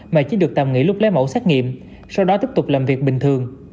mà chỉ được tạm nghỉ lúc lấy mẫu xét nghiệm sau đó tiếp tục làm việc bình thường